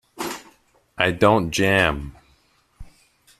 I don't jam.